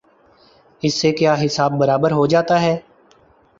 اس سے کیا حساب برابر ہو جاتا ہے؟